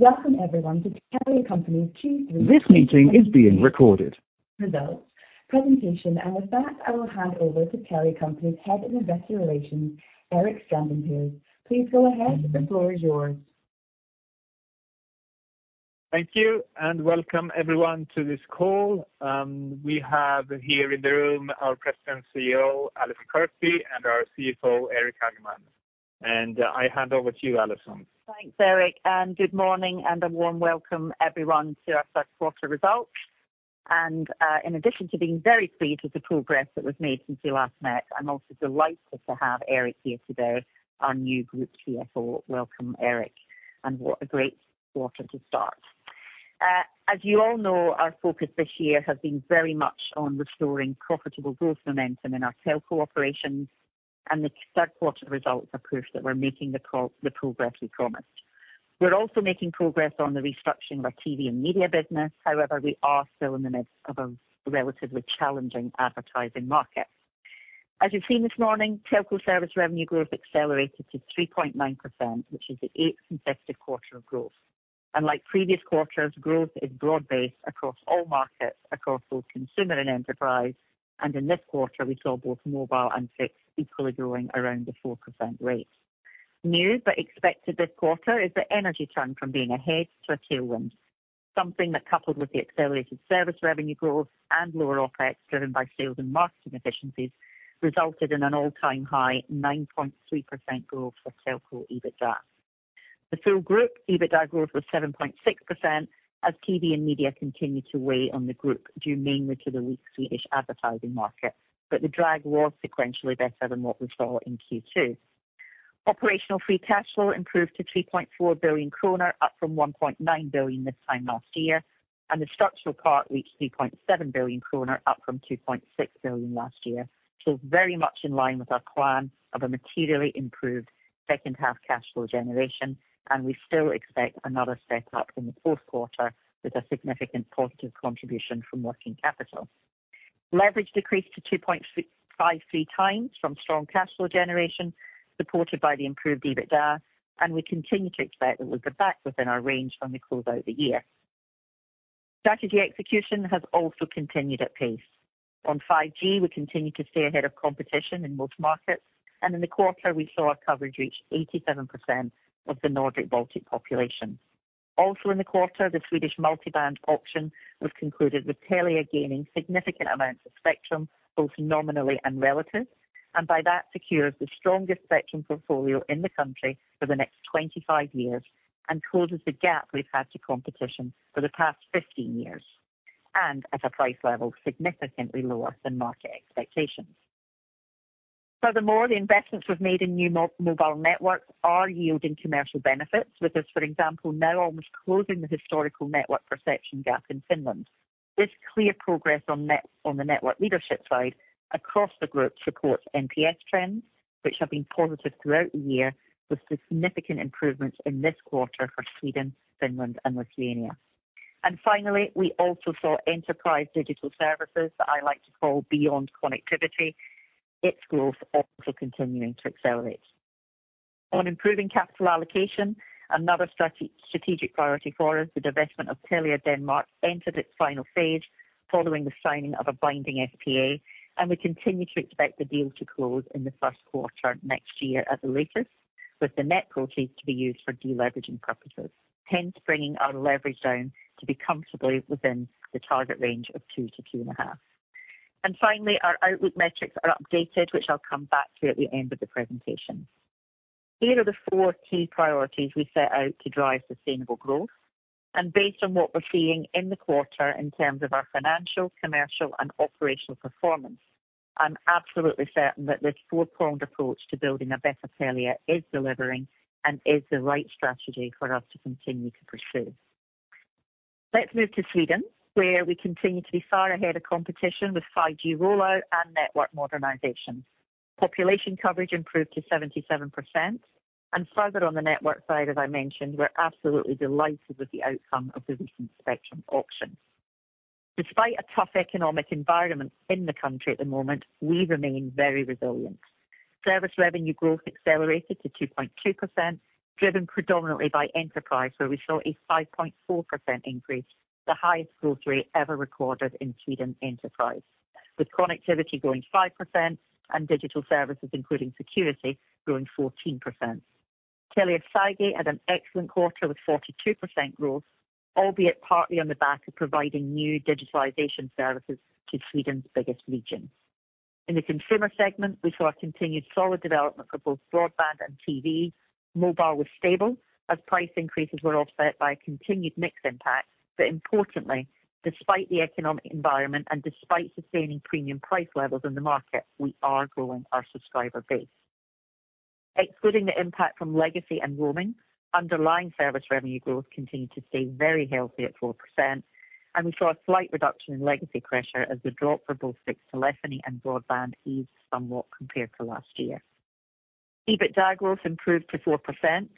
Welcome everyone to Telia Company's Q3. This meeting is being recorded. Results presentation. With that, I will hand over to Telia Company's Head of Investor Relations, Erik Strandin Pers. Please go ahead. The floor is yours. Thank you, and welcome everyone to this call. We have here in the room our President and CEO, Allison Kirkby, and our CFO, Eric Hageman. I hand over to you, Allison. Thanks, Erik, and good morning, and a warm welcome everyone to our first quarter results. In addition to being very pleased with the progress that was made since last month, I'm also delighted to have Eric here today, our new group CFO. Welcome, Eric, and what a great quarter to start. As you all know, our focus this year has been very much on restoring profitable growth momentum in our Telco operations, and the third quarter results are proof that we're making the progress we promised. We're also making progress on the restructuring of our TV and media business. However, we are still in the midst of a relatively challenging advertising market. As you've seen this morning, Telco service revenue growth accelerated to 3.9%, which is the eighth consecutive quarter of growth. Like previous quarters, growth is broad-based across all markets, across both consumer and enterprise. In this quarter, we saw both mobile and fixed equally growing around the 4% rate. New but expected this quarter is the energy turn from being a head to a tailwind, something that, coupled with the accelerated service revenue growth and lower OpEx, driven by sales and marketing efficiencies, resulted in an all-time high 9.3% growth for Telco EBITDA. The full group EBITDA growth was 7.6%, as TV and media continued to weigh on the group, due mainly to the weak Swedish advertising market. The drag was sequentially better than what we saw in Q2. Operational free cash flow improved to 3.4 billion kronor, up from 1.9 billion this time last year, and the structural part reached 3.7 billion kronor, up from 2.6 billion last year. So very much in line with our plan of a materially improved second half cash flow generation, and we still expect another step up in the fourth quarter with a significant positive contribution from working capital. Leverage decreased to 2.53 times from strong cash flow generation, supported by the improved EBITDA, and we continue to expect that we'll be back within our range from the closeout of the year. Strategy execution has also continued at pace. On 5G, we continue to stay ahead of competition in most markets, and in the quarter, we saw our coverage reach 87% of the Nordic Baltic population. Also in the quarter, the Swedish multiband auction was concluded, with Telia gaining significant amounts of spectrum, both nominally and relative, and by that secures the strongest spectrum portfolio in the country for the next 25 years and closes the gap we've had to competition for the past 15 years, and at a price level significantly lower than market expectations. Furthermore, the investments we've made in new mobile networks are yielding commercial benefits with us, for example, now almost closing the historical network perception gap in Finland. This clear progress on net, on the network leadership side across the group supports NPS trends, which have been positive throughout the year, with significant improvements in this quarter for Sweden, Finland, and Lithuania. And finally, we also saw enterprise digital services that I like to call beyond connectivity. Its growth also continuing to accelerate. On improving capital allocation, another strategic priority for us, the divestment of Telia Denmark entered its final phase following the signing of a binding SPA, and we continue to expect the deal to close in the first quarter next year at the latest, with the net proceeds to be used for deleveraging purposes, hence bringing our leverage down to be comfortably within the target range of 2-2.5. Finally, our outlook metrics are updated, which I'll come back to at the end of the presentation. These are the four key priorities we set out to drive sustainable growth. Based on what we're seeing in the quarter in terms of our financial, commercial, and operational performance, I'm absolutely certain that this four-pronged approach to building a better Telia is delivering and is the right strategy for us to continue to pursue. Let's move to Sweden, where we continue to be far ahead of competition with 5G rollout and network modernization. Population coverage improved to 77%, and further on the network side, as I mentioned, we're absolutely delighted with the outcome of the recent spectrum auction. Despite a tough economic environment in the country at the moment, we remain very resilient. Service revenue growth accelerated to 2.2%, driven predominantly by enterprise, where we saw a 5.4% increase, the highest growth rate ever recorded in Sweden enterprise, with connectivity growing 5% and digital services, including security, growing 14%. Telia 5G had an excellent quarter with 42% growth, albeit partly on the back of providing new digitalization services to Sweden's biggest region. In the consumer segment, we saw a continued solid development for both broadband and TV. Mobile was stable as price increases were offset by a continued mix impact, but importantly, despite the economic environment and despite sustaining premium price levels in the market, we are growing our subscriber base. Excluding the impact from legacy and roaming, underlying service revenue growth continued to stay very healthy at 4%, and we saw a slight reduction in legacy pressure as the drop for both fixed telephony and broadband eased somewhat compared to last year. EBITDA growth improved to 4%,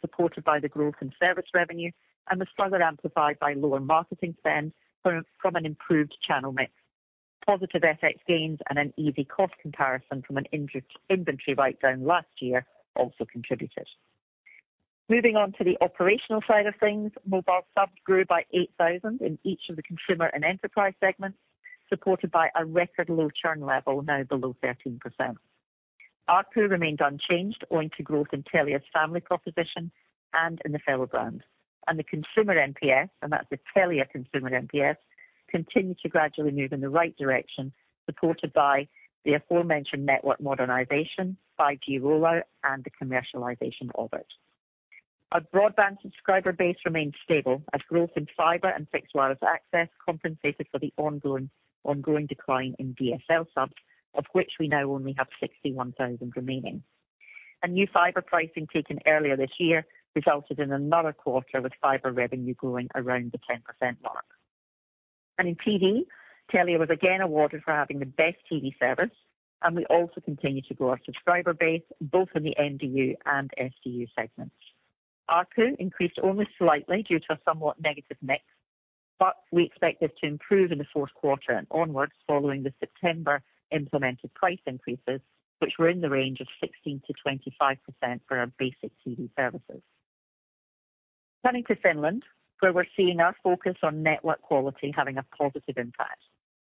supported by the growth in service revenue and was further amplified by lower marketing spend from an improved channel mix. Positive FX gains and an easy cost comparison from an inventory write-down last year also contributed. Moving on to the operational side of things, mobile subs grew by 8,000 in each of the consumer and enterprise segments, supported by a record low churn level, now below 13%. ARPU remained unchanged, owing to growth in Telia's family proposition and in the Fello brand. And the consumer NPS, and that's the Telia consumer NPS, continued to gradually move in the right direction, supported by the aforementioned network modernization, 5G rollout, and the commercialization of it. Our broadband subscriber base remained stable as growth in fiber and fixed wireless access compensated for the ongoing decline in DSL subs, of which we now only have 61,000 remaining. And new fiber pricing taken earlier this year resulted in another quarter, with fiber revenue growing around the 10% mark. In TV, Telia was again awarded for having the best TV service, and we also continue to grow our subscriber base, both in the MDU and SDU segments. ARPU increased only slightly due to a somewhat negative mix, but we expect this to improve in the fourth quarter and onwards, following the September implemented price increases, which were in the range of 16%-25% for our basic TV services. Coming to Finland, where we're seeing our focus on network quality having a positive impact.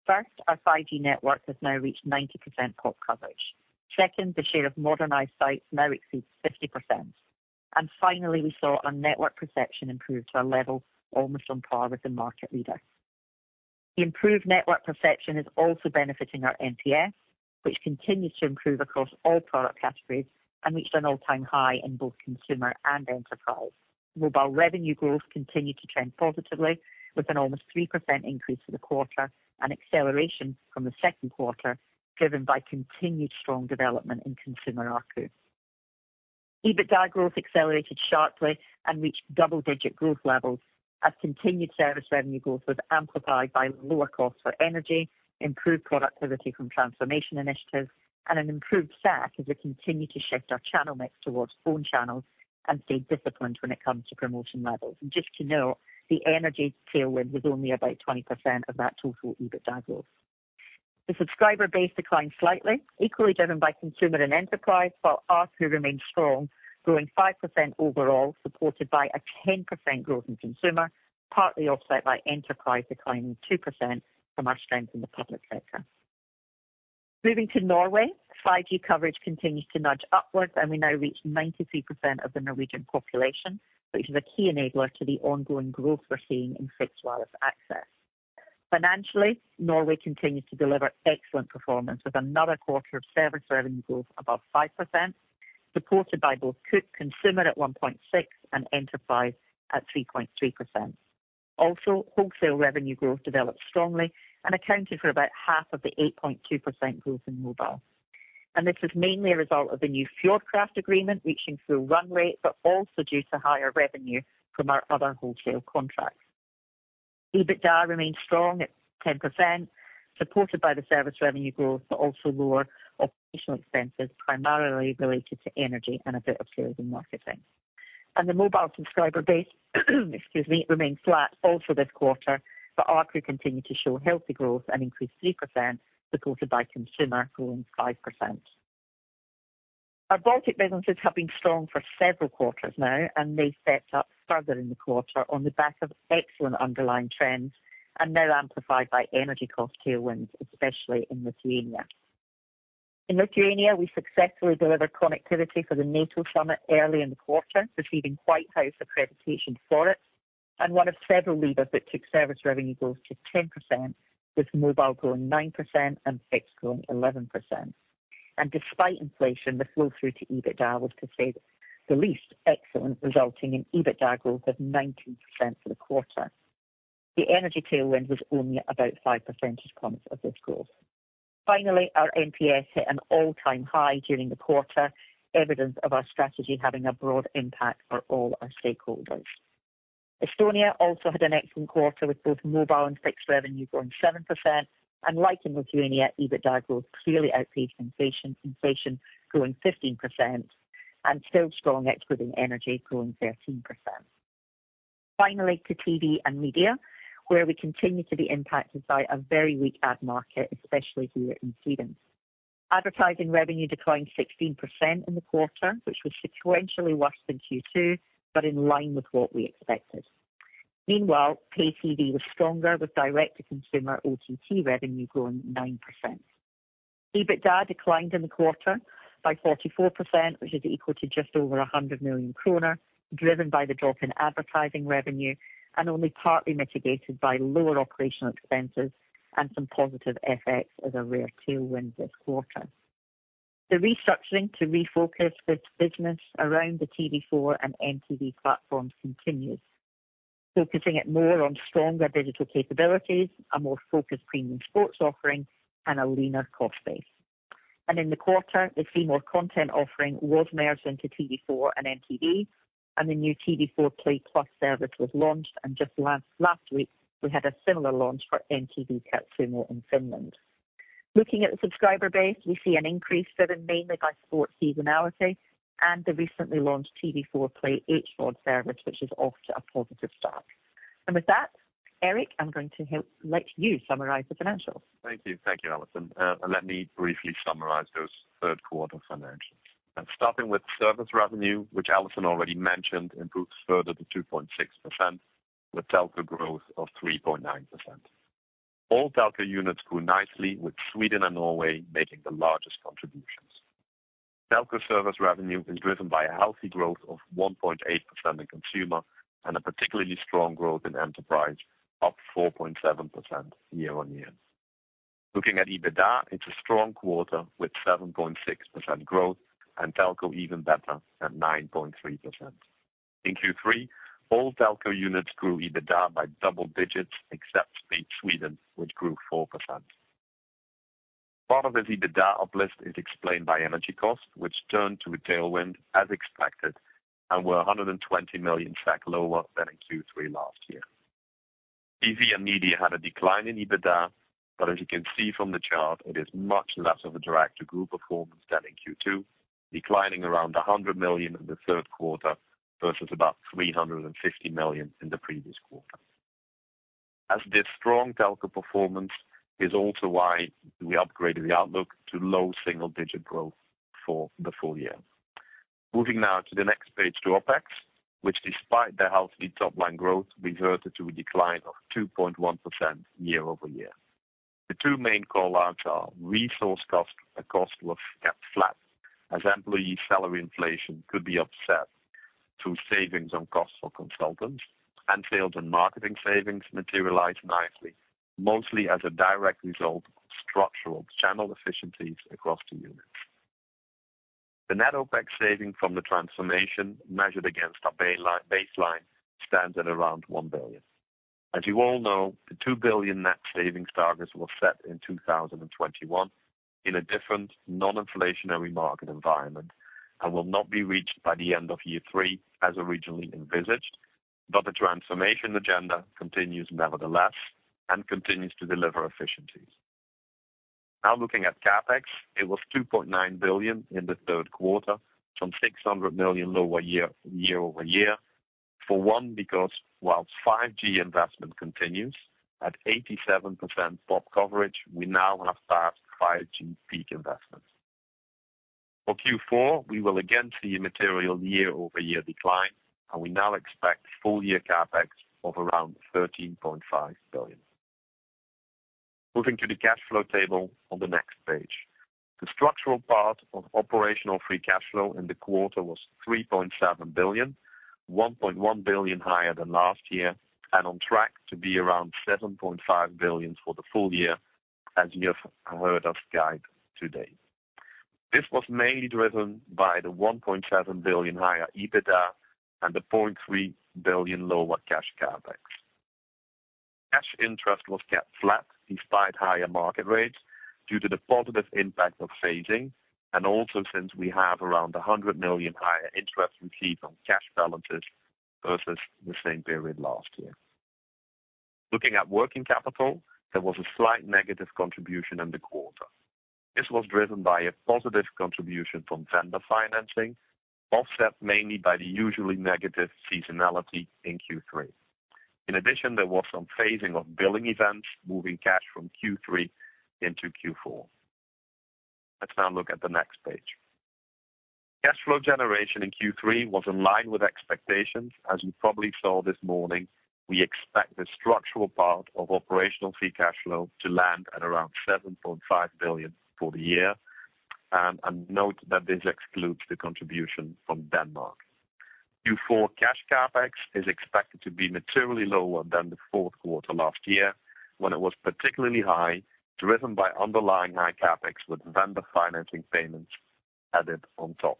First, our 5G network has now reached 90% pop coverage. Second, the share of modernized sites now exceeds 50%. And finally, we saw our network perception improve to a level almost on par with the market leader. The improved network perception is also benefiting our NPS, which continues to improve across all product categories and reached an all-time high in both consumer and enterprise. Mobile revenue growth continued to trend positively, with an almost 3% increase for the quarter and acceleration from the second quarter, driven by continued strong development in consumer ARPU. EBITDA growth accelerated sharply and reached double-digit growth levels as continued service revenue growth was amplified by lower costs for energy, improved productivity from transformation initiatives, and an improved stack as we continue to shift our channel mix towards phone channels and stay disciplined when it comes to promotion levels. And just to note, the energy tailwind was only about 20% of that total EBITDA growth. The subscriber base declined slightly, equally driven by consumer and enterprise, while ARPU remained strong, growing 5% overall, supported by a 10% growth in consumer, partly offset by enterprise declining 2% from our strength in the public sector. Moving to Norway, 5G coverage continues to nudge upwards, and we now reach 93% of the Norwegian population, which is a key enabler to the ongoing growth we're seeing in fixed wireless access. Financially, Norway continues to deliver excellent performance, with another quarter of service revenue growth above 5%, supported by both consumer at 1.6 and enterprise at 3.3%. Also, wholesale revenue growth developed strongly and accounted for about half of the 8.2% growth in mobile. This is mainly a result of the new Fjordkraft agreement reaching full run rate, but also due to higher revenue from our other wholesale contracts. EBITDA remains strong at 10%, supported by the service revenue growth, but also lower operational expenses, primarily related to energy and a bit of sales and marketing. The mobile subscriber base, excuse me, remained flat also this quarter, but ARPU continued to show healthy growth and increased 3%, supported by consumer growing 5%. Our Baltic businesses have been strong for several quarters now, and they stepped up further in the quarter on the back of excellent underlying trends and now amplified by energy cost tailwinds, especially in Lithuania. In Lithuania, we successfully delivered connectivity for the NATO summit early in the quarter, receiving White House accreditation for it and one of several leaders that took service revenue growth to 10%, with mobile growing 9% and fixed growing 11%. And despite inflation, the flow through to EBITDA was to say the least excellent, resulting in EBITDA growth of 19% for the quarter. The energy tailwind was only about 5 percentage points of this growth. Finally, our NPS hit an all-time high during the quarter, evidence of our strategy having a broad impact for all our stakeholders. Estonia also had an excellent quarter, with both mobile and fixed revenue growing 7%. And like in Lithuania, EBITDA growth clearly outpaced inflation, inflation growing 15% and still strong, excluding energy, growing 13%. Finally, to TV and Media, where we continue to be impacted by a very weak ad market, especially here in Sweden. Advertising revenue declined 16% in the quarter, which was sequentially worse than Q2, but in line with what we expected. Meanwhile, pay TV was stronger, with direct-to-consumer OTT revenue growing 9%. EBITDA declined in the quarter by 44%, which is equal to just over 100 million kronor, driven by the drop in advertising revenue and only partly mitigated by lower operational expenses and some positive FX as a rare tailwind this quarter. The restructuring to refocus this business around the TV4 and MTV platforms continues, focusing it more on stronger digital capabilities, a more focused premium sports offering, and a leaner cost base. And in the quarter, the C More content offering was merged into TV4 and MTV, and the new TV4 Play Plus service was launched, and just last, last week, we had a similar launch for MTV Katsomo in Finland. Looking at the subscriber base, we see an increase driven mainly by sports seasonality and the recently launched TV4 Play HBO service, which is off to a positive start. And with that, Eric, I'm going to help let you summarize the financials. Thank you. Thank you, Allison. Let me briefly summarize those third quarter financials. Starting with service revenue, which Allison already mentioned, improved further to 2.6%, with telco growth of 3.9%. All telco units grew nicely, with Sweden and Norway making the largest contributions. Telco service revenue is driven by a healthy growth of 1.8% in consumer and a particularly strong growth in enterprise, up 4.7% year-on-year. Looking at EBITDA, it's a strong quarter with 7.6% growth and telco even better at 9.3%. In Q3, all telco units grew EBITDA by double digits, except Sweden, which grew 4%. Part of the EBITDA uplift is explained by energy costs, which turned to a tailwind as expected and were 120 million lower than in Q3 last year. TV and Media had a decline in EBITDA, but as you can see from the chart, it is much less of a drag to group performance than in Q2, declining around 100 million in the third quarter versus about 350 million in the previous quarter. As this strong telco performance is also why we upgraded the outlook to low single-digit growth for the full year. Moving now to the next page, to OpEx, which despite the healthy top-line growth, reverted to a decline of 2.1% year-over-year. The two main call-outs are resource costs. The cost was kept flat as employee salary inflation could be offset through savings on costs for consultants and sales and marketing savings materialized nicely, mostly as a direct result of structural channel efficiencies across the units. The net OpEx saving from the transformation, measured against our baseline, stands at around 1 billion. As you all know, the 2 billion net savings target was set in 2021 in a different non-inflationary market environment and will not be reached by the end of year three as originally envisaged, but the transformation agenda continues nevertheless and continues to deliver efficiencies. Now, looking at CapEx, it was 2.9 billion in the third quarter, some 600 million lower year-over-year. For one, because while 5G investment continues at 87% POP coverage, we now have passed 5G peak investment. For Q4, we will again see a material year-over-year decline, and we now expect full year CapEx of around 13.5 billion. Moving to the cash flow table on the next page. The structural part of operational free cash flow in the quarter was 3.7 billion, 1.1 billion higher than last year, and on track to be around 7.5 billion for the full year, as you have heard our guide today. This was mainly driven by the 1.7 billion higher EBITDA and the 0.3 billion lower cash CapEx. Cash interest was kept flat despite higher market rates, due to the positive impact of phasing, and also since we have around 100 million higher interest received on cash balances versus the same period last year. Looking at working capital, there was a slight negative contribution in the quarter. This was driven by a positive contribution from vendor financing, offset mainly by the usually negative seasonality in Q3. In addition, there was some phasing of billing events, moving cash from Q3 into Q4. Let's now look at the next page. Cash flow generation in Q3 was in line with expectations. As you probably saw this morning, we expect the structural part of operational free cash flow to land at around 7.5 billion for the year. Note that this excludes the contribution from Denmark. Q4 cash CapEx is expected to be materially lower than the fourth quarter last year, when it was particularly high, driven by underlying high CapEx, with vendor financing payments added on top.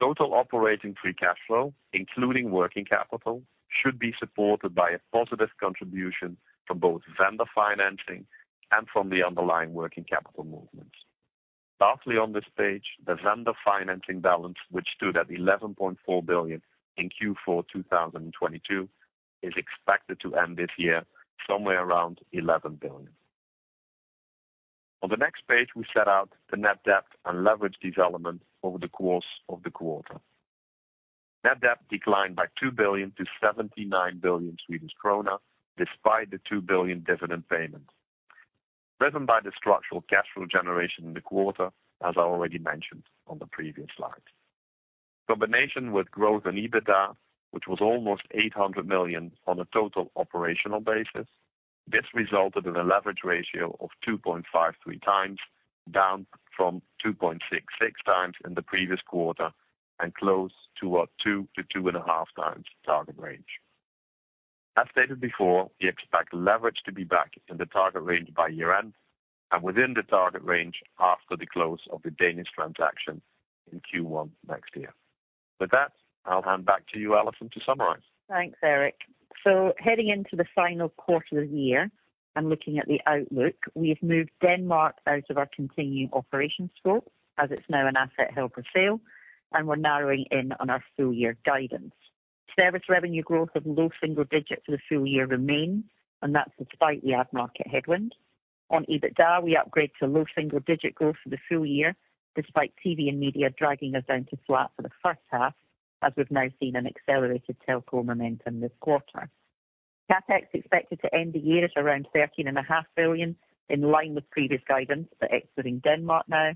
Total operating free cash flow, including working capital, should be supported by a positive contribution from both vendor financing and from the underlying working capital movements. Lastly, on this page, the vendor financing balance, which stood at 11.4 billion in Q4 2022, is expected to end this year somewhere around 11 billion. On the next page, we set out the net debt and leverage development over the course of the quarter. Net debt declined by 2 billion to 79 billion Swedish krona, despite the 2 billion dividend payment, driven by the structural cash flow generation in the quarter, as I already mentioned on the previous slide. Combination with growth and EBITDA, which was almost 800 million on a total operational basis. This resulted in a leverage ratio of 2.53 times, down from 2.66 times in the previous quarter, and close to our 2-2.5 times target range. As stated before, we expect leverage to be back in the target range by year-end and within the target range after the close of the Danish transaction in Q1 next year. With that, I'll hand back to you, Allison, to summarize. Thanks, Eric. So heading into the final quarter of the year and looking at the outlook, we've moved Denmark out of our continuing operations scope as it's now an asset held for sale, and we're narrowing in on our full year guidance. Service revenue growth of low single digits for the full year remains, and that's despite the ad market headwind. On EBITDA, we upgrade to low single-digit growth for the full year, despite TV and media dragging us down to flat for the first half, as we've now seen an accelerated telco momentum this quarter. CapEx is expected to end the year at around 13.5 billion, in line with previous guidance, but excluding Denmark now.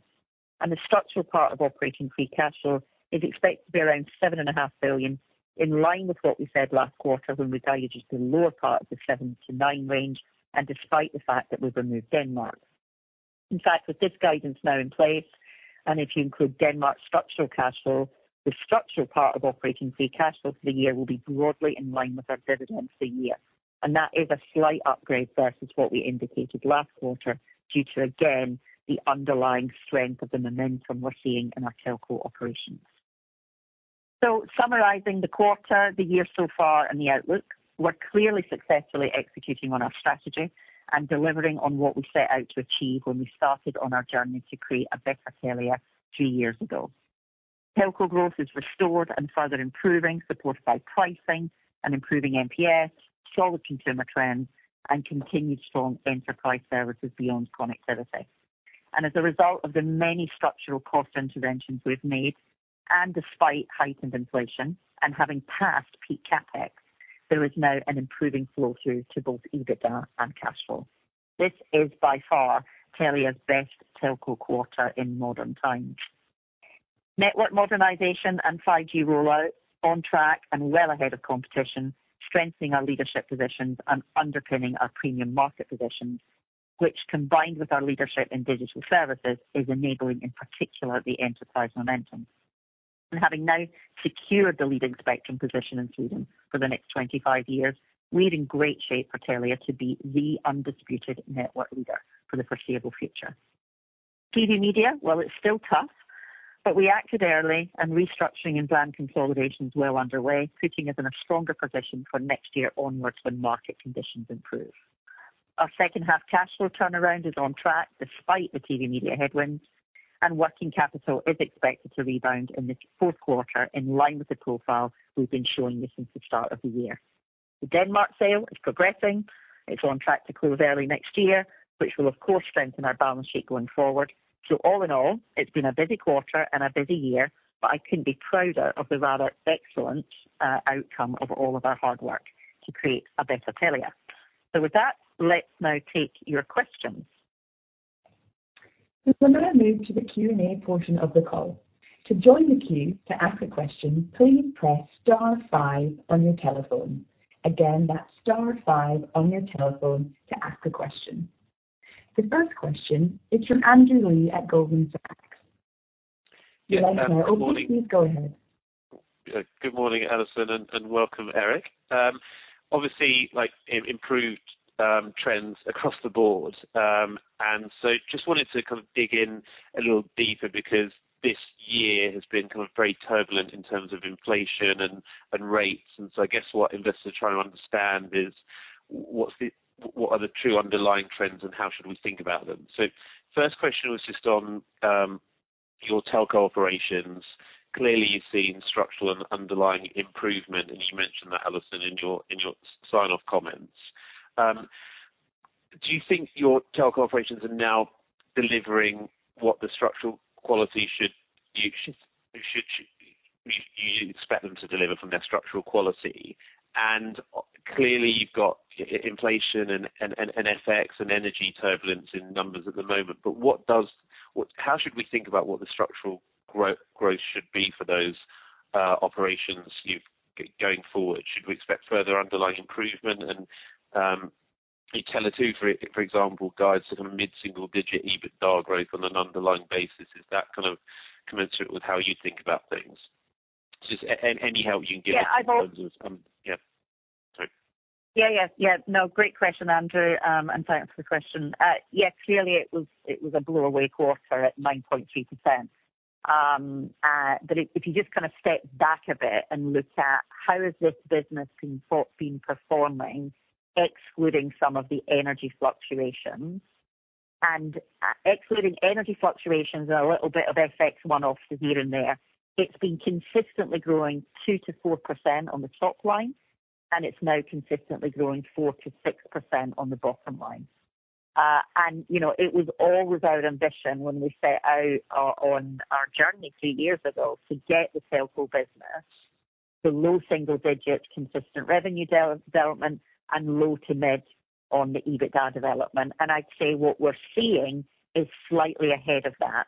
The structural part of operating free cash flow is expected to be around 7.5 billion, in line with what we said last quarter when we guided to the lower part of the 7-9 billion range and despite the fact that we've removed Denmark. In fact, with this guidance now in place, and if you include Denmark's structural cash flow, the structural part of operating free cash flow for the year will be broadly in line with our dividends a year. That is a slight upgrade versus what we indicated last quarter due to, again, the underlying strength of the momentum we're seeing in our telco operations. Summarizing the quarter, the year so far, and the outlook, we're clearly successfully executing on our strategy and delivering on what we set out to achieve when we started on our journey to create a better Telia two years ago. Telco growth is restored and further improving, supported by pricing and improving NPS, solid consumer trends, and continued strong enterprise services beyond connectivity. And as a result of the many structural cost interventions we've made, and despite heightened inflation and having passed peak CapEx, there is now an improving flow through to both EBITDA and cash flow. This is by far Telia's best telco quarter in modern times. Network modernization and 5G rollout on track and well ahead of competition, strengthening our leadership positions and underpinning our premium market positions, which, combined with our leadership in digital services, is enabling, in particular, the enterprise momentum. Having now secured the leading spectrum position in Sweden for the next 25 years, we're in great shape for Telia to be the undisputed network leader for the foreseeable future. TV and media, well, it's still tough, but we acted early and restructuring and brand consolidation is well underway, putting us in a stronger position for next year onwards when market conditions improve. Our second-half cash flow turnaround is on track despite the TV and media headwinds, and working capital is expected to rebound in the fourth quarter in line with the profile we've been showing you since the start of the year. The Denmark sale is progressing. It's on track to close early next year, which will, of course, strengthen our balance sheet going forward. So all in all, it's been a busy quarter and a busy year, but I couldn't be prouder of the rather excellent outcome of all of our hard work to create a better Telia. So with that, let's now take your questions. We will now move to the Q&A portion of the call. To join the queue to ask a question, please press star five on your telephone. Again, that's star five on your telephone to ask a question. The first question is from Andrew Lee at Goldman Sachs. Yes, good morning. Please go ahead. Good morning, Allison, and welcome, Eric. Obviously, like, improved trends across the board. And so just wanted to kind of dig in a little deeper because this year has been kind of very turbulent in terms of inflation and rates. And so I guess what investors are trying to understand is what are the true underlying trends and how should we think about them? So first question was just on your telco operations. Clearly, you've seen structural and underlying improvement, and you mentioned that, Allison, in your sign-off comments. Do you think your telco operations are now delivering what the structural quality should you expect them to deliver from their structural quality? And clearly, you've got inflation and FX and energy turbulence in numbers at the moment. But what does... How should we think about what the structural growth should be for those operations you've going forward? Should we expect further underlying improvement? And Tele2, for example, guides to kind of mid-single-digit EBITDA growth on an underlying basis. Is that kind of commensurate with how you think about things? Just any help you can give us- Yeah, I think- Yeah. Sorry. Yeah, yeah. Yeah. No, great question, Andrew, and thanks for the question. Yeah, clearly, it was, it was a blow-away quarter at 9.2%. But if you just kind of step back a bit and look at how this business has been performing, excluding some of the energy fluctuations. And excluding energy fluctuations are a little bit of FX one-offs here and there. It's been consistently growing 2%-4% on the top line, and it's now consistently growing 4%-6% on the bottom line. And, you know, it was all with our ambition when we set out on our journey three years ago to get the telco business to low single digit, consistent revenue development and low to mid on the EBITDA development. And I'd say what we're seeing is slightly ahead of that.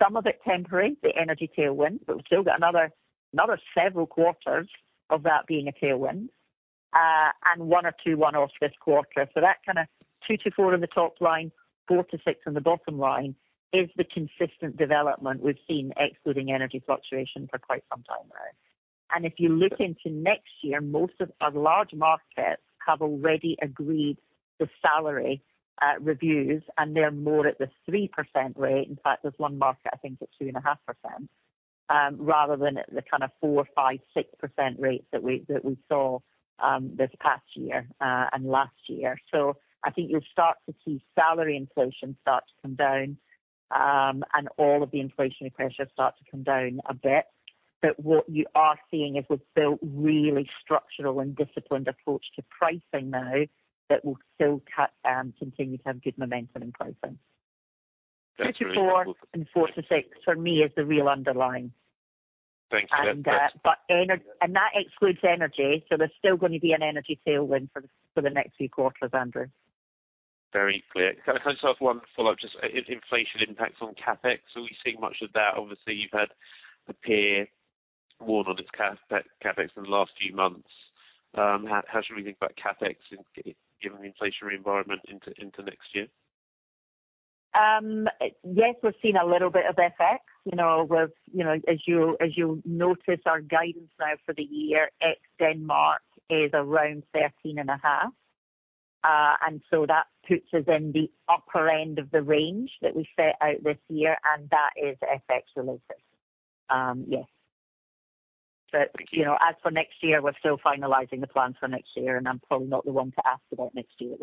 Some of it temporary, the energy tailwind, but we've still got another, another several quarters of that being a tailwind, and one or two one-offs this quarter. So that kind of two-four on the top line, four-six on the bottom line is the consistent development we've seen, excluding energy fluctuation for quite some time now. And if you look into next year, most of our large markets have already agreed the salary reviews, and they're more at the 3% rate. In fact, there's one market, I think, it's 2.5%, rather than the kind of 4%, 5%, 6% rates that we, that we saw this past year, and last year. So I think you'll start to see salary inflation start to come down, and all of the inflationary pressures start to come down a bit. What you are seeing is we're still really structural and disciplined approach to pricing now that will still cut and continue to have good momentum in pricing. Two-four and four-six for me is the real underlying. Thanks. But energy and that excludes energy. So there's still going to be an energy tailwind for the next few quarters, Andrew. Very clear. Can I just have one follow-up? Just, is inflation impact on CapEx, are we seeing much of that? Obviously, you've had a peer warn on this CapEx in the last few months. How should we think about CapEx given the inflationary environment into next year? Yes, we're seeing a little bit of effect. You know, we've, you know, as you, as you'll notice, our guidance now for the year, ex Denmark, is around 13.5. And so that puts us in the upper end of the range that we set out this year, and that is effect related. Yes. But, you know, as for next year, we're still finalizing the plans for next year, and I'm probably not the one to ask about next year.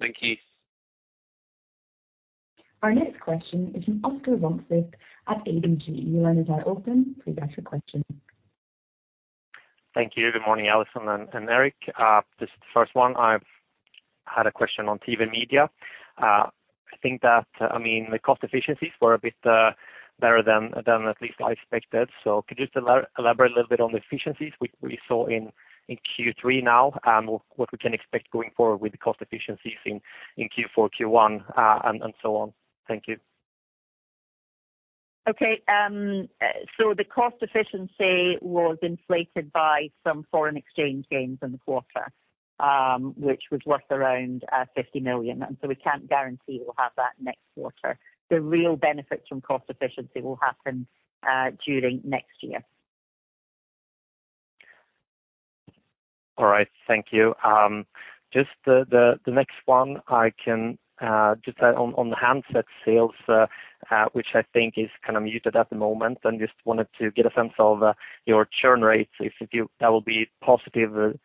Thank you. Our next question is from Oscar Rönnkvist at ABG. Your line is now open, please ask your question. Thank you. Good morning, Allison and Eric. Just the first one. I've had a question on TV and media. I think that, I mean, the cost efficiencies were a bit better than at least I expected. So could you just elaborate a little bit on the efficiencies we saw in Q3 now, what we can expect going forward with the cost efficiencies in Q4, Q1, and so on? Thank you. Okay. So the cost efficiency was inflated by some foreign exchange gains in the quarter, which was worth around 50 million, and so we can't guarantee we'll have that next quarter. The real benefit from cost efficiency will happen during next year. All right. Thank you. Just the next one, I can just on the handset sales, which I think is kind of muted at the moment. And just wanted to get a sense of your churn rates, if you... That will be positive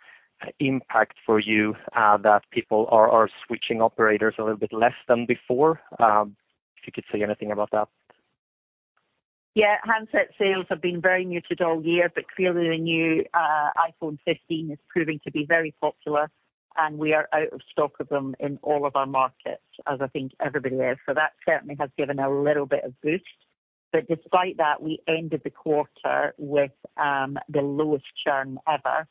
impact for you, that people are switching operators a little bit less than before. If you could say anything about that. Yeah. Handset sales have been very muted all year, but clearly the new iPhone 15 is proving to be very popular, and we are out of stock of them in all of our markets, as I think everybody is. So that certainly has given a little bit of boost. But despite that, we ended the quarter with the lowest churn ever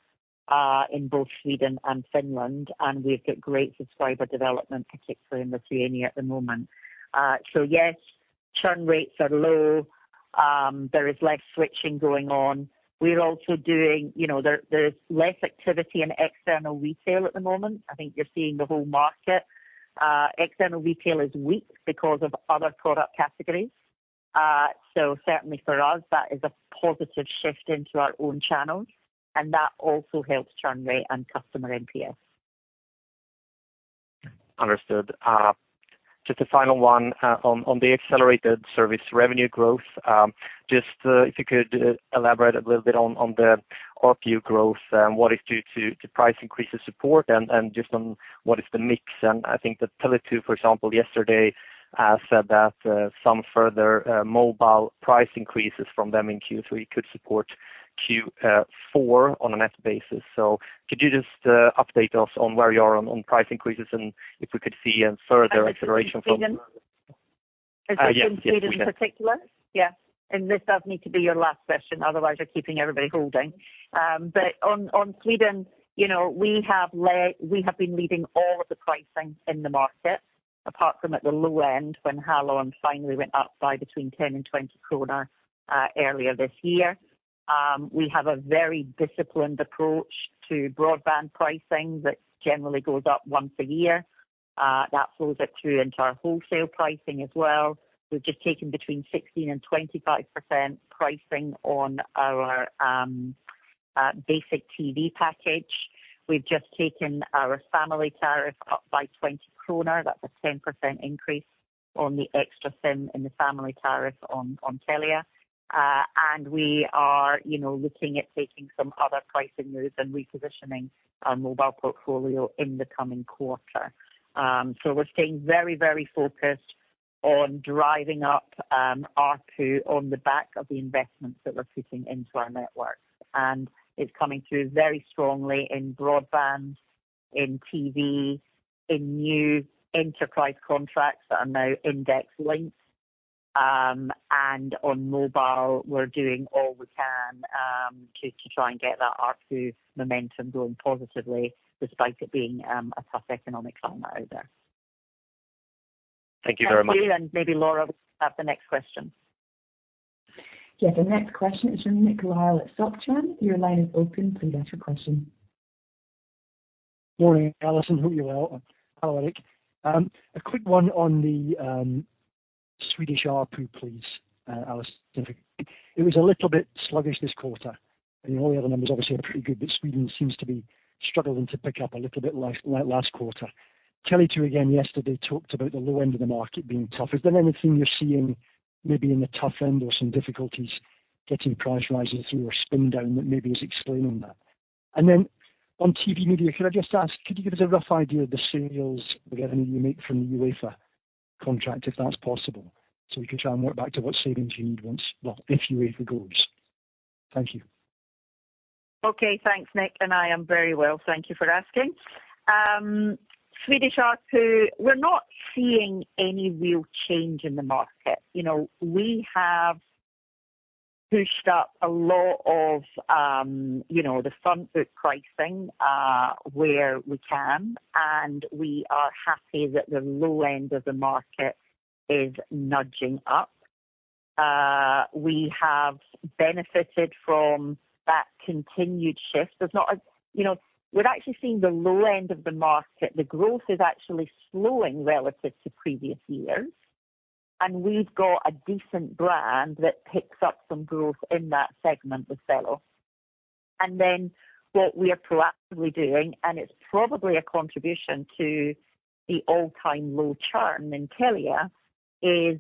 in both Sweden and Finland, and we've got great subscriber development, particularly in Lithuania at the moment. So yes, churn rates are low. There is less switching going on. We're also doing, you know, there, there's less activity in external retail at the moment. I think you're seeing the whole market. External retail is weak because of other product categories. So certainly for us, that is a positive shift into our own channels, and that also helps churn rate and customer NPS. Understood. Just a final one on the accelerated service revenue growth. Just, if you could elaborate a little bit on the ARPU growth. What is due to price increases support and just on what is the mix? And I think that Tele2, for example, yesterday said that some further mobile price increases from them in Q3 could support Q4 on a net basis. So could you just update us on where you are on price increases and if we could see a further acceleration from- In Sweden? Yes, yes. In Sweden, in particular? Yeah, and this does need to be your last question, otherwise, you're keeping everybody holding. But on Sweden, you know, we have led, we have been leading all of the pricing in the market, apart from at the low end, when Hallon finally went up by between 10 and 20 kronor earlier this year. We have a very disciplined approach to broadband pricing that generally goes up once a year. That flows it through into our wholesale pricing as well. We've just taken 16%-25% pricing on our basic TV package. We've just taken our family tariff up by 20 kronor. That's a 10% increase on the extra SIM in the family tariff on Telia. And we are, you know, looking at taking some other pricing moves and repositioning our mobile portfolio in the coming quarter. So we're staying very, very focused on driving up ARPU on the back of the investments that we're putting into our network. And it's coming through very strongly in broadband, in TV, in new enterprise contracts that are now index-linked. And on mobile, we're doing all we can to try and get that ARPU momentum going positively, despite it being a tough economic climate out there. Thank you very much. Thank you, and maybe Laura will have the next question. Yes, the next question is from Nick Lyall at Société Générale. Your line is open, please ask your question. Morning, Allison. Hope you're well. Hello, Eric. A quick one on the Swedish ARPU, please, Allison. It was a little bit sluggish this quarter, and all the other numbers obviously are pretty good, but Sweden seems to be struggling to pick up a little bit less, like last quarter. Tele2 again yesterday talked about the low end of the market being tough. Is there anything you're seeing maybe in the tough end or some difficulties getting price rises through or spin down that maybe is explaining that? And then on TV media, could I just ask, could you give us a rough idea of the sales revenue you make from the UEFA contract, if that's possible? So we can try and work back to what savings you need once, well, if UEFA goes. Thank you. Okay. Thanks, Nick. I am very well. Thank you for asking. Swedish ARPU, we're not seeing any real change in the market. You know, we have pushed up a lot of, you know, the front foot pricing, where we can, and we are happy that the low end of the market is nudging up. We have benefited from that continued shift. You know, we're actually seeing the low end of the market. The growth is actually slowing relative to previous years, and we've got a decent brand that picks up some growth in that segment with Fello. And then what we are proactively doing, and it's probably a contribution to the all-time low churn in Telia, is,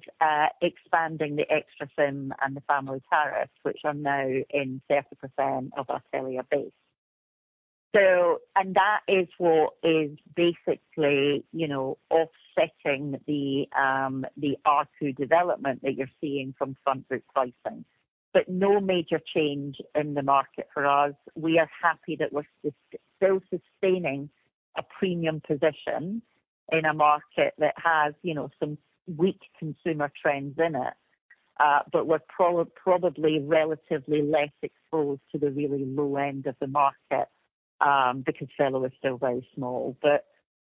expanding the extra SIM and the family tariffs, which are now in 30% of our Telia base. So, and that is what is basically, you know, offsetting the, the ARPU development that you're seeing from front foot pricing, but no major change in the market for us. We are happy that we're still sustaining a premium position in a market that has, you know, some weak consumer trends in it. But we're probably relatively less exposed to the really low end of the market, because Fello is still very small. But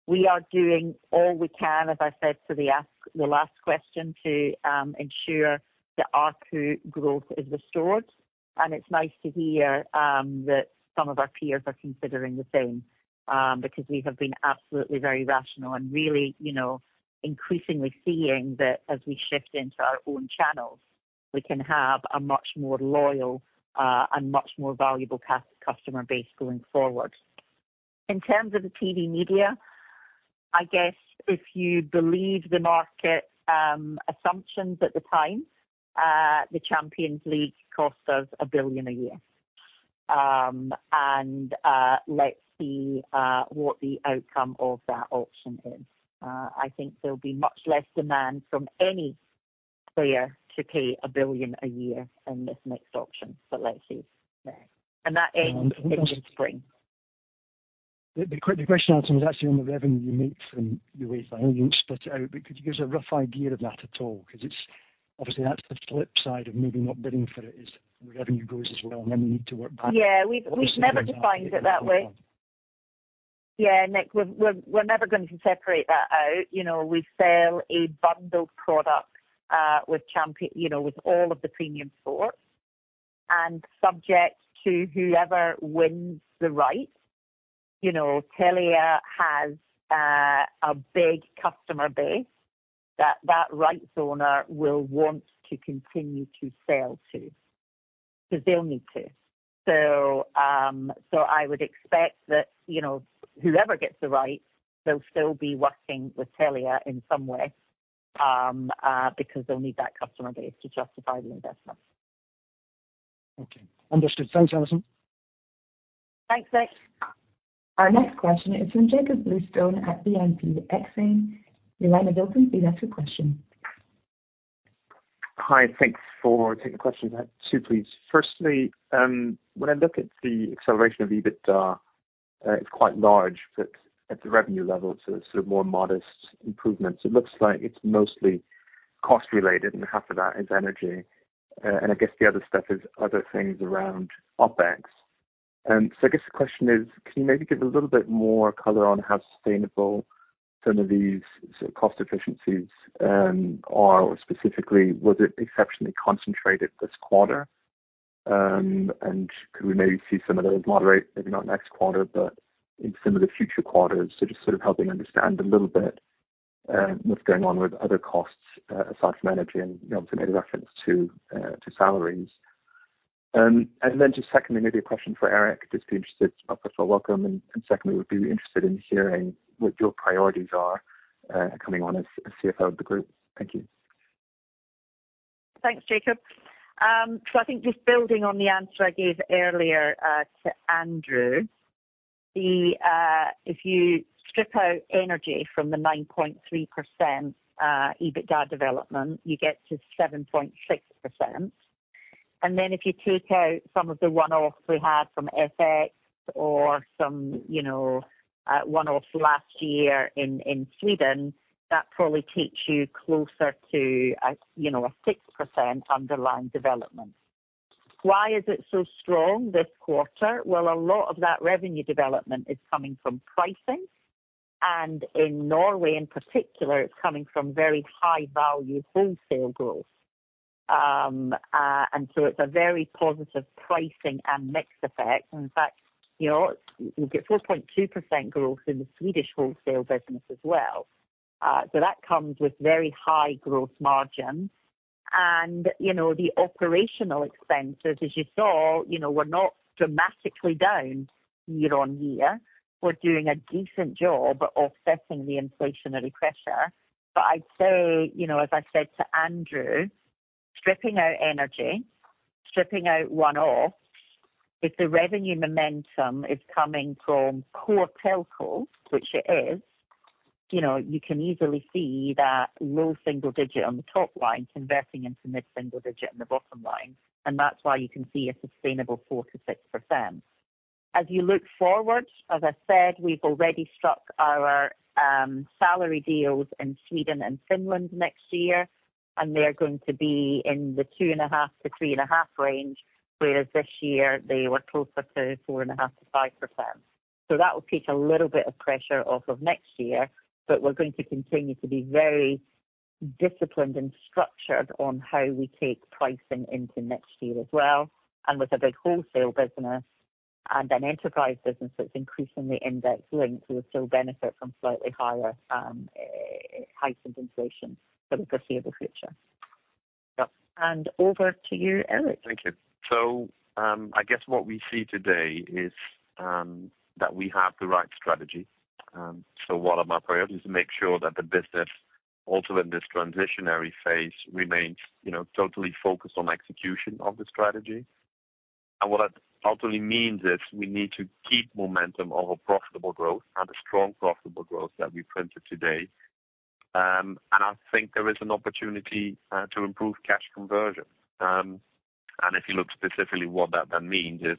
we are doing all we can, as I said to the last question, to, ensure the ARPU growth is restored. It's nice to hear that some of our peers are considering the same, because we have been absolutely very rational and really, you know, increasingly seeing that as we shift into our own channels, we can have a much more loyal and much more valuable customer base going forward. In terms of the TV media, I guess if you believe the market assumptions at the time, the Champions League costs us 1 billion a year, and let's see what the outcome of that auction is. I think there'll be much less demand from any player to pay 1 billion a year in this next auction, but let's see. Yeah, and that ends in mid-spring. The quick question I asked was actually on the revenue you make from UEFA. I know you don't split it out, but could you give us a rough idea of that at all? Because it's... Obviously, that's the flip side of maybe not bidding for it, is revenue goes as well, and then you need to work back. Yeah. We've never defined it that way. Okay. Yeah, Nick, we're never going to separate that out. You know, we sell a bundled product with Champions, you know, with all of the premium sports. And subject to whoever wins the rights, you know, Telia has a big customer base that rights owner will want to continue to sell to, because they'll need to. So, I would expect that, you know, whoever gets the rights will still be working with Telia in some way, because they'll need that customer base to justify the investment. Okay, understood. Thanks, Allison. Thanks, Nick. Our next question is from Jakob Bluestone at BNP Paribas Exane. Operator, you may ask your question. Hi. Thanks for taking the question. I have two, please. Firstly, when I look at the acceleration of EBITDA, it's quite large, but at the revenue level, it's a sort of more modest improvements. It looks like it's mostly cost related, and half of that is energy. And I guess the other stuff is other things around OpEx. And so I guess the question is, can you maybe give a little bit more color on how sustainable some of these sort of cost efficiencies are? Or specifically, was it exceptionally concentrated this quarter? And could we maybe see some of those moderate, maybe not next quarter, but in some of the future quarters? So just sort of helping understand a little bit, what's going on with other costs, aside from energy and, you know, to make reference to, to salaries. And then, just secondly, maybe a question for Eric. Just be interested, welcome, and, and secondly, would be interested in hearing what your priorities are, coming on as CFO of the group. Thank you. Thanks, Jakob. So I think just building on the answer I gave earlier to Andrew, if you strip out energy from the 9.3% EBITDA development, you get to 7.6%. And then if you take out some of the one-offs we had from FX or some, you know, one-offs last year in Sweden, that probably takes you closer to a, you know, a 6% underlying development. Why is it so strong this quarter? Well, a lot of that revenue development is coming from pricing, and in Norway in particular, it's coming from very high-value wholesale growth. And so it's a very positive pricing and mix effect. And in fact, you know, we've got 4.2% growth in the Swedish wholesale business as well. So that comes with very high growth margins. You know, the operational expenses, as you saw, you know, were not dramatically down year-on-year. We're doing a decent job offsetting the inflationary pressure. But I'd say, you know, as I said to Andrew, stripping out energy, stripping out one-off, if the revenue momentum is coming from core telco, which it is, you know, you can easily see that low single digit on the top line converting into mid-single digit on the bottom line, and that's why you can see a sustainable 4%-6%. As you look forward, as I said, we've already struck our salary deals in Sweden and Finland next year, and they are going to be in the 2.5-3.5 range, whereas this year they were closer to 4.5%-5%. So that will take a little bit of pressure off of next year. But we're going to continue to be very disciplined and structured on how we take pricing into next year as well. And with a big wholesale business and an enterprise business that's increasingly index-linked, we will still benefit from slightly higher, heightened inflation for the foreseeable future. Yeah. Over to you, Eric. Thank you. So, I guess what we see today is that we have the right strategy. So one of my priorities is to make sure that the business, also in this transitionary phase, remains, you know, totally focused on execution of the strategy. And what that ultimately means is we need to keep momentum of a profitable growth and a strong profitable growth that we printed today. And I think there is an opportunity to improve cash conversion. And if you look specifically what that then means is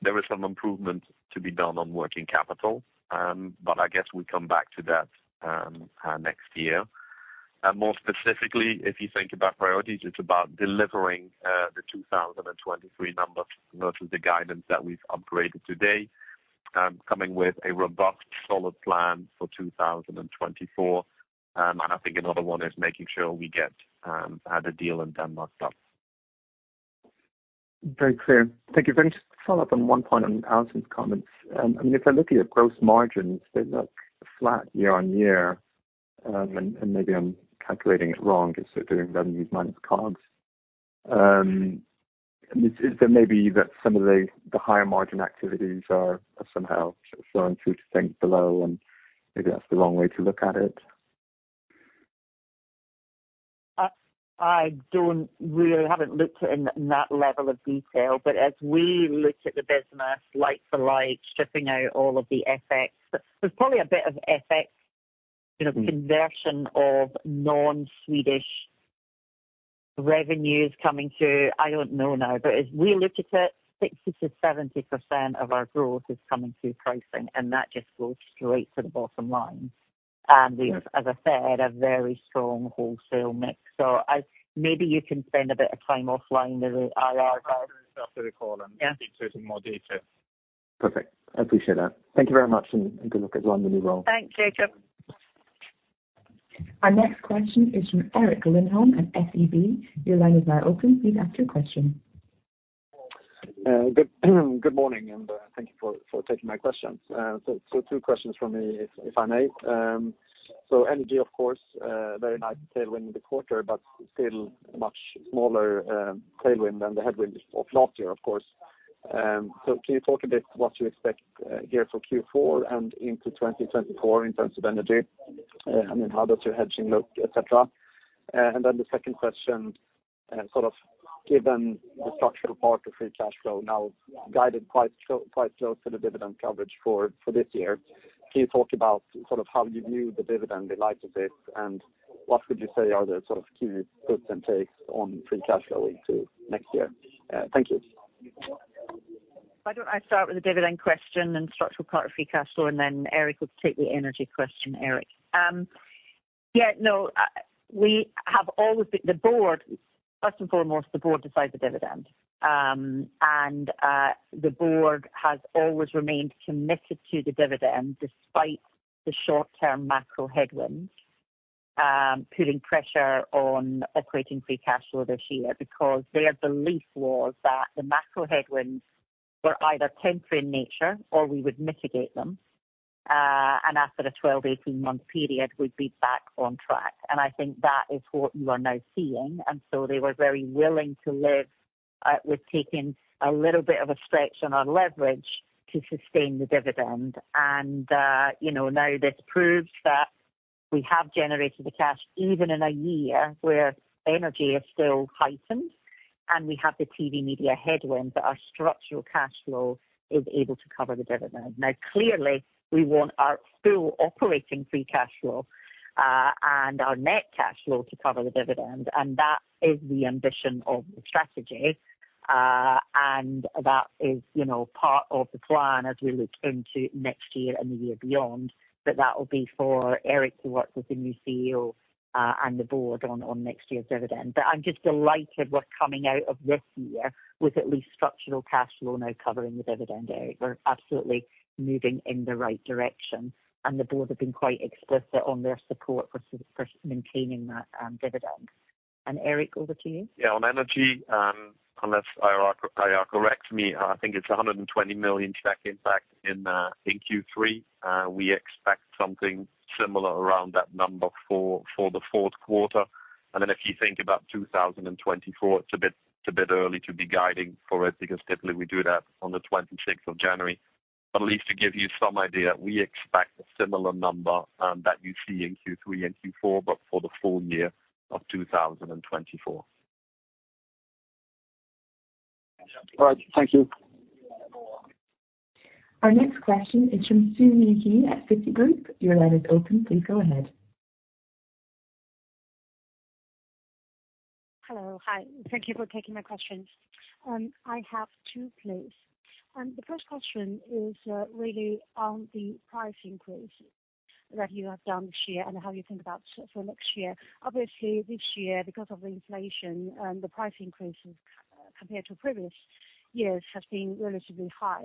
there is some improvement to be done on working capital, but I guess we come back to that next year. And more specifically, if you think about priorities, it's about delivering the 2023 numbers versus the guidance that we've upgraded today, coming with a robust solid plan for 2024. And I think another one is making sure we get the deal in Denmark done. Very clear. Thank you. Let me just follow up on one point on Allison's comments. I mean, if I look at your gross margins, they look flat year-on-year, and maybe I'm calculating it wrong because they're doing revenues minus costs. Is it maybe that some of the higher margin activities are somehow flowing through to think below, and maybe that's the wrong way to look at it? I don't really... I haven't looked in that level of detail. But as we look at the business, like for like, stripping out all of the effects, there's probably a bit of effect, you know, conversion of non-Swedish revenues coming through. I don't know now, but as we look at it, 60%-70% of our growth is coming through pricing, and that just goes straight to the bottom line. Yeah. We've, as I said, a very strong wholesale mix. So, maybe you can spend a bit of time offline with IR. After the call and- Yeah. Look into it in more detail. Perfect. I appreciate that. Thank you very much, and good luck as well in your new role. Thanks, Jakob. Our next question is from Erik Lindholm-Röjestål at SEB. Your line is now open. Please ask your question. Good morning, and thank you for taking my questions. So two questions from me, if I may. So energy, of course, very nice tailwind in the quarter, but still much smaller tailwind than the headwind of last year, of course. So can you talk a bit what you expect here for Q4 and into 2024 in terms of energy? And then the second question, sort of given the structural part of free cash flow now guided quite close to the dividend coverage for this year. Can you talk about sort of how you view the dividend in light of this, and what would you say are the sort of key puts and takes on free cash flow into next year? Thank you. Why don't I start with the dividend question and structural part of free cash flow, and then Eric would take the energy question. Erik. Yeah, no, we have always been... The board - first and foremost, the board decides the dividend. And, the board has always remained committed to the dividend despite the short-term macro headwinds, putting pressure on equating free cash flow this year. Because their belief was that the macro headwinds were either temporary in nature or we would mitigate them, and after a 12, 18-month period, we'd be back on track. And I think that is what you are now seeing, and so they were very willing to live with taking a little bit of a stretch on our leverage to sustain the dividend. You know, now this proves that we have generated the cash even in a year where energy is still heightened and we have the TV media headwind, but our structural cash flow is able to cover the dividend. Now, clearly, we want our full operating free cash flow and our net cash flow to cover the dividend, and that is the ambition of the strategy. That is, you know, part of the plan as we look into next year and the year beyond. But that will be for Erik, who works with the new CEO and the board on next year's dividend. But I'm just delighted we're coming out of this year with at least structural cash flow now covering the dividend, Erik. We're absolutely moving in the right direction, and the board have been quite explicit on their support for maintaining that dividend. Eric, over to you. Yeah, on energy, unless IR, IR corrects me, I think it's 120 million impact in Q3. We expect something similar around that number for the fourth quarter. Then if you think about 2024, it's a bit, it's a bit early to be guiding for it, because typically we do that on the 26th of January. But at least to give you some idea, we expect a similar number that you see in Q3 and Q4, but for the full year of 2024. All right, thank you. Our next question is from Siyi He at Citigroup. Your line is open. Please go ahead. Hello. Hi, thank you for taking my questions. I have two, please. The first question is really on the price increase that you have done this year and how you think about for next year. Obviously, this year, because of the inflation and the price increases compared to previous years, have been relatively high.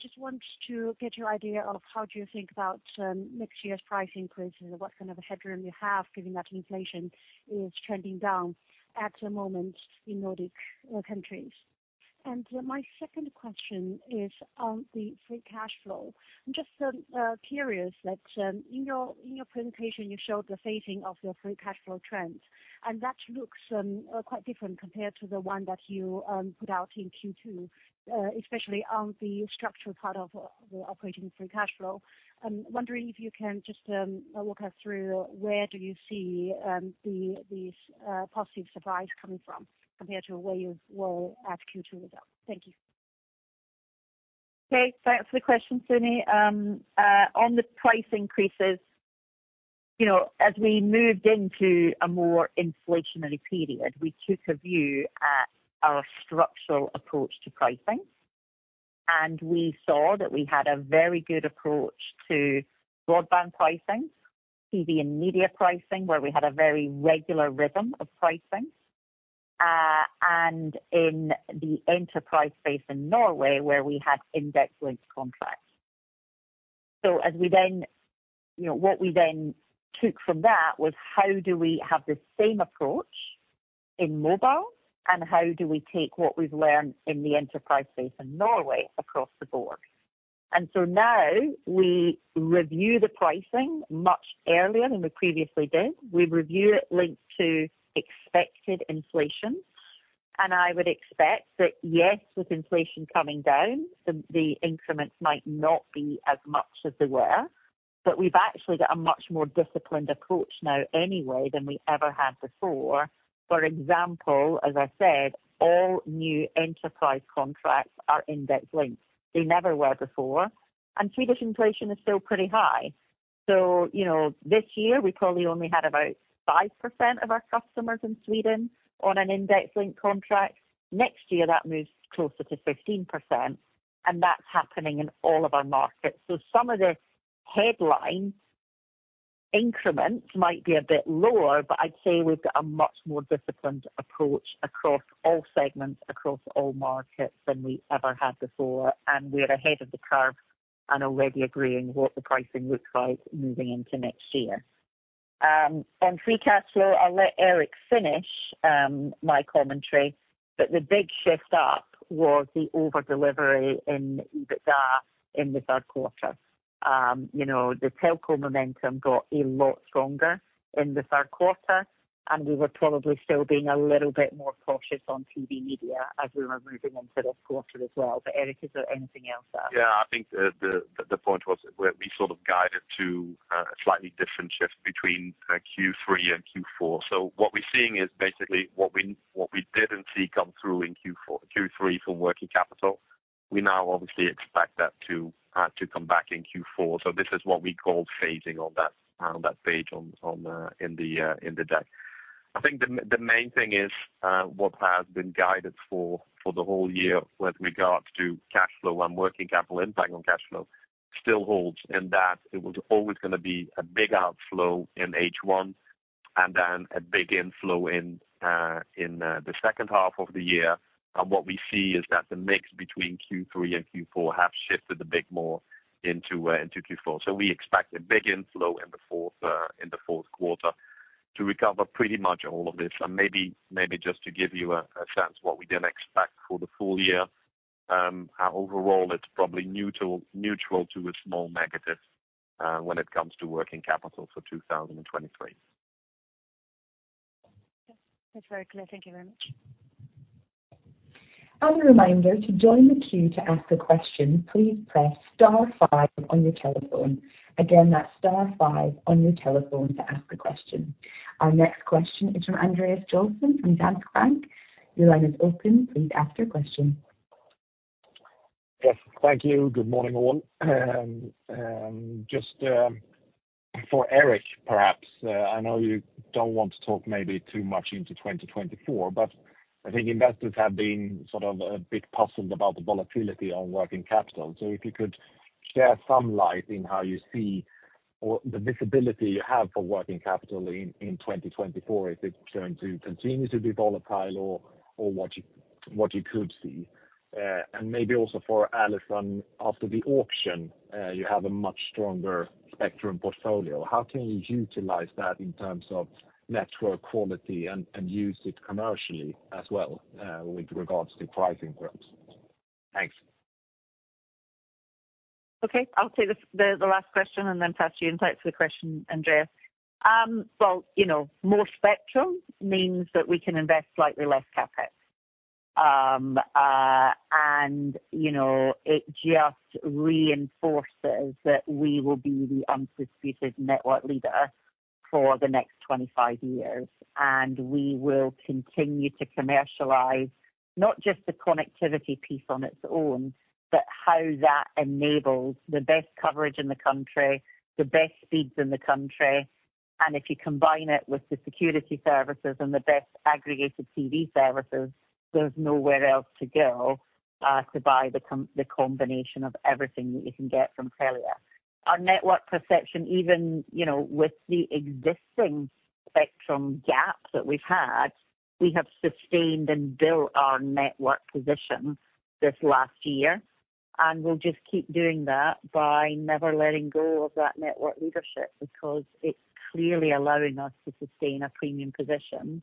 Just want to get your idea of how do you think about next year's price increases and what kind of a headroom you have, given that inflation is trending down at the moment in Nordic countries? And my second question is on the free cash flow. Just curious that in your presentation, you showed the phasing of your free cash flow trend, and that looks quite different compared to the one that you put out in Q2, especially on the structural part of the operating free cash flow. I'm wondering if you can just walk us through where do you see these positive supplies coming from compared to where you were at Q2 results. Thank you. Okay, thanks for the question, Siyi. On the price increases, you know, as we moved into a more inflationary period, we took a view at our structural approach to pricing, and we saw that we had a very good approach to broadband pricing, TV and media pricing, where we had a very regular rhythm of pricing. And in the enterprise space in Norway, where we had index-linked contracts. So as we then, you know, what we then took from that was: How do we have the same approach in mobile? And how do we take what we've learned in the enterprise space in Norway across the board? And so now we review the pricing much earlier than we previously did. We review it linked to expected inflation, and I would expect that, yes, with inflation coming down, the increments might not be as much as they were, but we've actually got a much more disciplined approach now anyway, than we ever had before. For example, as I said, all new enterprise contracts are index-linked. They never were before, and Swedish inflation is still pretty high. So, you know, this year we probably only had about 5% of our customers in Sweden on an index-linked contract. Next year, that moves closer to 15%, and that's happening in all of our markets. Some of the headline increments might be a bit lower, but I'd say we've got a much more disciplined approach across all segments, across all markets than we ever had before, and we're ahead of the curve and already agreeing what the pricing looks like moving into next year. On free cash flow, I'll let Eric finish my commentary, but the big shift up was the over-delivery in EBITDA in the third quarter. You know, the telco momentum got a lot stronger in the third quarter, and we were probably still being a little bit more cautious on TV media as we were moving into this quarter as well. But Eric, is there anything else to add? Yeah, I think the point was where we sort of guided to a slightly different shift between Q3 and Q4. So what we're seeing is basically what we, what we didn't see come through in Q3 from working capital. We now obviously expect that to come back in Q4. So this is what we call phasing on that page on in the deck. I think the main thing is what has been guided for the whole year with regards to cash flow and working capital impact on cash flow still holds in that it was always gonna be a big outflow in H1 and then a big inflow in the second half of the year. And what we see is that the mix between Q3 and Q4 have shifted a bit more into, into Q4. So we expect a big inflow in the fourth, in the fourth quarter to recover pretty much all of this. And maybe, maybe just to give you a, a sense of what we then expect for the full year, how overall it's probably neutral, neutral to a small negative, when it comes to working capital for 2023. That's very clear. Thank you very much. As a reminder, to join the queue to ask a question, please press star five on your telephone. Again, that's star five on your telephone to ask a question. Our next question is from Andreas Joelsson from Danske Bank. Your line is open. Please ask your question. Yes, thank you. Good morning, all. Just for Eric, perhaps, I know you don't want to talk maybe too much into 2024, but I think investors have been sort of a bit puzzled about the volatility on working capital. So if you could shed some light in how you see or the visibility you have for working capital in, in 2024, if it's going to continue to be volatile or, or what you, what you could see? And maybe also for Allison, after the auction, you have a much stronger spectrum portfolio. How can you utilize that in terms of network quality and, and use it commercially as well, with regards to pricing groups? Thanks. Okay. I'll take the last question and then pass it back to the questioner, Andreas. Well, you know, more spectrum means that we can invest slightly less CapEx. And, you know, it just reinforces that we will be the undisputed network leader for the next 25 years, and we will continue to commercialize not just the connectivity piece on its own, but how that enables the best coverage in the country, the best speeds in the country. And if you combine it with the security services and the best aggregated TV services, there's nowhere else to go to buy the combination of everything that you can get from Telia. Our network perception, even, you know, with the existing spectrum gaps that we've had, we have sustained and built our network position this last year, and we'll just keep doing that by never letting go of that network leadership, because it's clearly allowing us to sustain a premium position.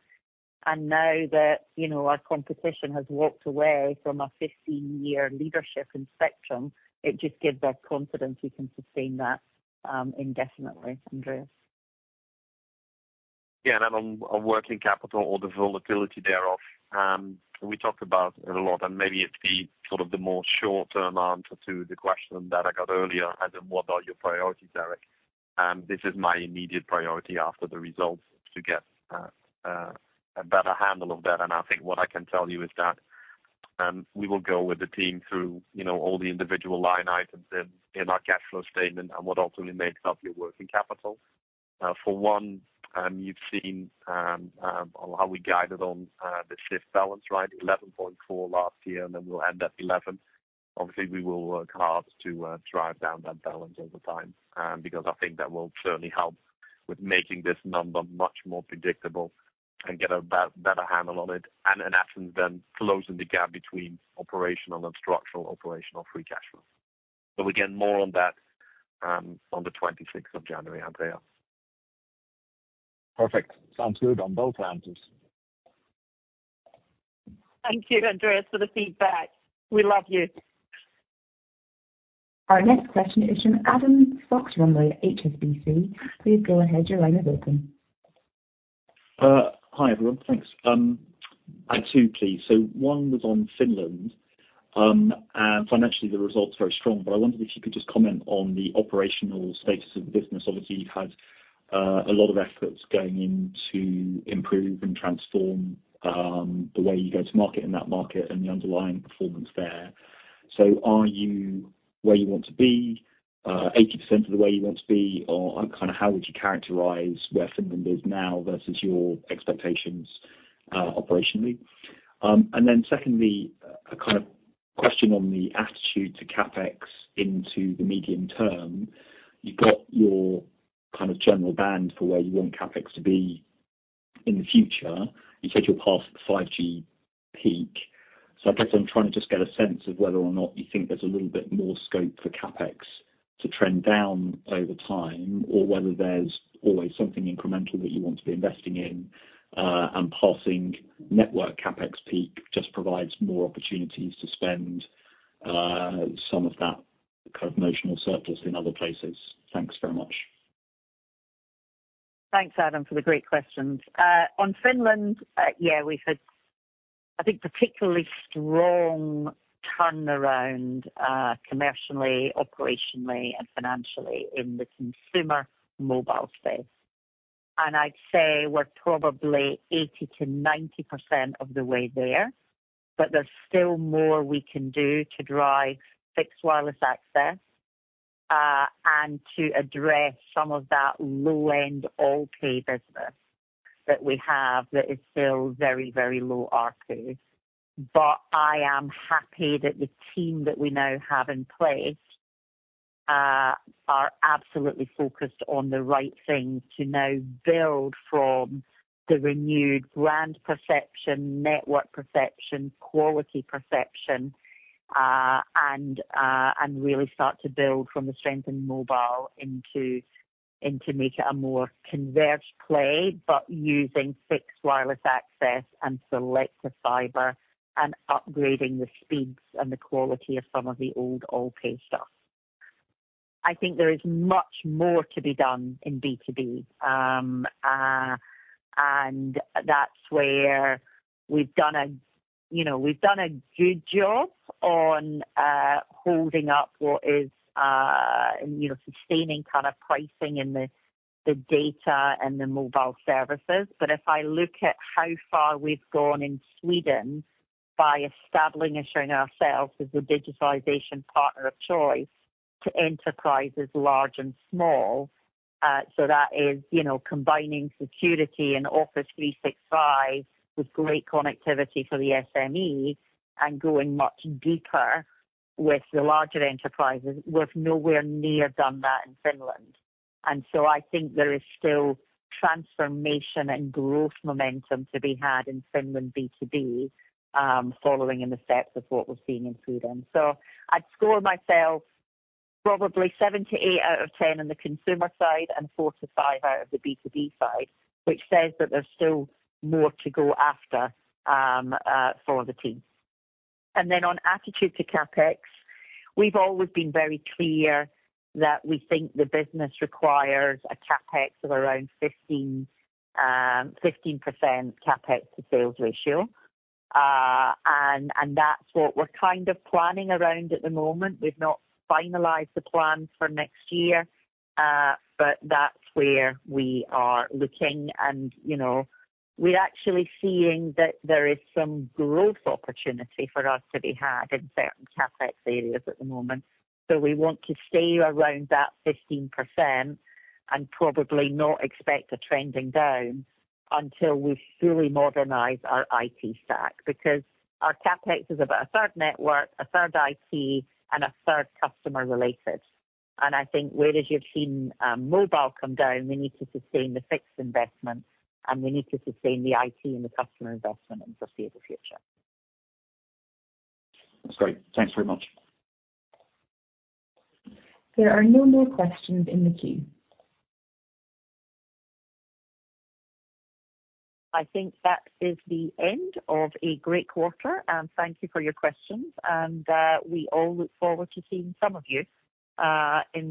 And now that, you know, our competition has walked away from a 15-year leadership in spectrum, it just gives us confidence we can sustain that, indefinitely. Andreas? Yeah, and on working capital or the volatility thereof, we talked about it a lot, and maybe it's the sort of the more short-term answer to the question that I got earlier as in, "What are your priorities, Eric?" This is my immediate priority after the results, to get a better handle of that. I think what I can tell you is that we will go with the team through, you know, all the individual line items in our cash flow statement and what ultimately makes up your working capital. For one, you've seen on how we guided on the SCF balance, right? 11.4 last year, and then we'll end at 11. Obviously, we will work hard to drive down that balance over time, because I think that will certainly help with making this number much more predictable and get a better handle on it, and in essence, then closing the gap between operational and structural operational free cash flow. But again, more on that, on the twenty-sixth of January, Andreas. Perfect. Sounds good on both answers. Thank you, Andreas, for the feedback. We love you. Our next question is from Adam Fox-Rumsey, HSBC. Please go ahead. Your line is open. Hi, everyone. Thanks. I have two, please. So one was on Finland. And financially, the results are very strong, but I wondered if you could just comment on the operational status of the business. Obviously, you've had a lot of efforts going in to improve and transform the way you go to market in that market and the underlying performance there. So are you where you want to be, 80% of the way you want to be, or kind of how would you characterize where Finland is now versus your expectations, operationally? And then secondly, a kind of question on the attitude to CapEx into the medium term. You've got your kind of general band for where you want CapEx to be in the future. You said you're past the 5G peak. So I guess I'm trying to just get a sense of whether or not you think there's a little bit more scope for CapEx to trend down over time, or whether there's always something incremental that you want to be investing in, and passing network CapEx peak just provides more opportunities to spend some of that kind of notional surplus in other places? Thanks very much. Thanks, Adam, for the great questions. On Finland, yeah, we've had, I think, particularly strong turnaround, commercially, operationally, and financially in the consumer mobile space. And I'd say we're probably 80%-90% of the way there, but there's still more we can do to drive fixed wireless access, and to address some of that low-end, low-pay business that we have that is still very, very low ARPU. But I am happy that the team that we now have in place, are absolutely focused on the right things to now build from the renewed brand perception, network perception, quality perception, and really start to build from the strength in mobile into, and to make it a more converged play, but using fixed wireless access and selective fiber, and upgrading the speeds and the quality of some of the old low-pay stuff. I think there is much more to be done in B2B. That's where we've done a, you know, we've done a good job on, you know, sustaining kind of pricing in the data and the mobile services. But if I look at how far we've gone in Sweden by establishing ourselves as a digitalization partner of choice to enterprises large and small, so that is, you know, combining security and Office 365 with great connectivity for the SMEs and going much deeper with the larger enterprises. We've nowhere near done that in Finland, and so I think there is still transformation and growth momentum to be had in Finland B2B, following in the steps of what we're seeing in Sweden. So I'd score myself probably seven-eight out of 10 on the consumer side and four-five out of the B2B side, which says that there's still more to go after, for the team. And then on attitude to CapEx, we've always been very clear that we think the business requires a CapEx of around 15, 15% CapEx to sales ratio. And that's what we're kind of planning around at the moment. We've not finalized the plans for next year, but that's where we are looking. And, you know, we're actually seeing that there is some growth opportunity for us to be had in certain CapEx areas at the moment. So we want to stay around that 15% and probably not expect a trending down until we've fully modernized our IT stack, because our CapEx is about a third network, a third IT, and a third customer related. I think whereas you've seen, mobile come down, we need to sustain the fixed investment, and we need to sustain the IT and the customer investment into the future. That's great. Thanks very much. There are no more questions in the queue. I think that is the end of a great quarter, and thank you for your questions, and, we all look forward to seeing some of you, in-